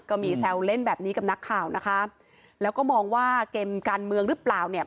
ก็มีแซวเล่นแบบนี้กับนักข่าวนะคะแล้วก็มองว่าเกมการเมืองหรือเปล่าเนี่ย